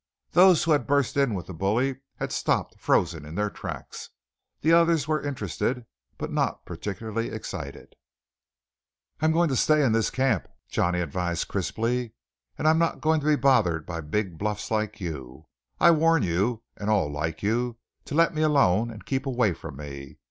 Those who had burst in with the bully had stopped frozen in their tracks. The others were interested, but not particularly excited. "I'm going to stay in this camp," Johnny advised crisply, "and I'm not going to be bothered by big bluffs like you. I warn you, and all like you, to let me alone and keep away from me.